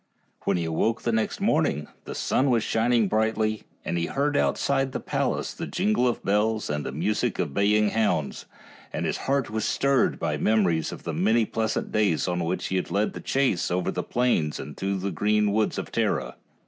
When he awoke the next morning the sun was shining brightly, and he heard outside the palace the jingle of bells and the music of baying hounds, and his heart was stirred by memories of the many pleasant days on which he had led the chase over the plains and through the green woods of Tara.